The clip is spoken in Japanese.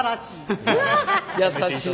優しい。